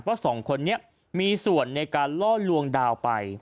สองคนนี้มีส่วนในการล่อลวงดาวไป